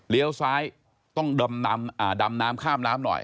ซ้ายต้องดำน้ำข้ามน้ำหน่อย